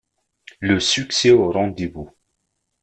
Le succès au rendez-vous.